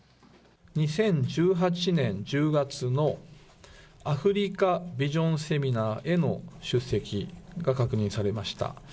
２０１８年１０月の、アフリカビジョンセミナーへの出席が確認されました。